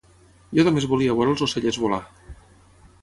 Jo només volia veure els ocellets volar